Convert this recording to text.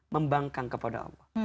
membangkang kepada allah